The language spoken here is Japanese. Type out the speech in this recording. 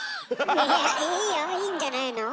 いやいいよいいんじゃないの。